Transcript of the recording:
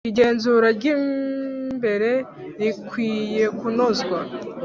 Igenzura ry imbere rikwiye kunozwa